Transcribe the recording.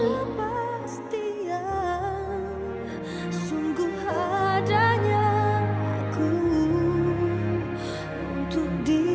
mengapa mengapa kau tak mengerti